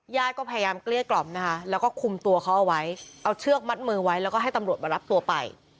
ญาติก็พยายามเกลี้ยกล่อมนะคะแล้วก็คุมตัวเขาเอาไว้เอาเชือกมัดมือไว้แล้วก็ให้ตำรวจมารับตัวไป